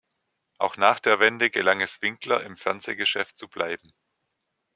Auch nach der Wende gelang es Winkler, im Fernsehgeschäft zu bleiben.